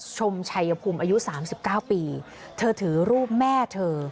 ชมชัยภูมิอายุ๓๙ปีเธอถือรูปแม่เธอ